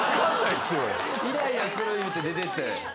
イライラする言うて出てって。